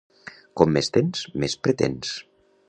Com més tens, més pretens.